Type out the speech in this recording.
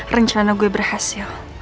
rencana gue berhasil